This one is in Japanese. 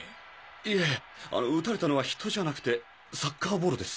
いえ撃たれたのは人じゃなくてサッカーボールです。